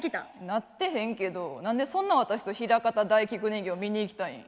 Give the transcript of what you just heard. なってへんけど何でそんな私とひらかた大菊人形見に行きたいん？